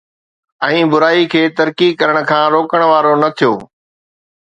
۽ برائي کي ترقي ڪرڻ کان روڪڻ وارو نه ٿيو